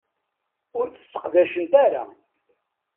Ur tt-sseqdacent ara.